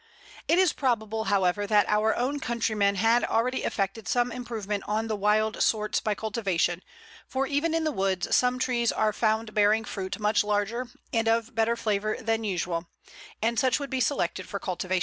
It is probable, however, that our own countrymen had already effected some improvement on the wild sorts by cultivation, for even in the woods some trees are found bearing fruit much larger and of better flavour than usual, and such would be selected for cultivation.